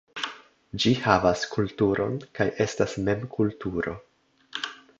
Ĝi havas kulturon kaj estas mem kulturo.